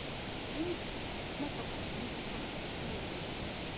Remt ma teɣsemt ad tettewremt!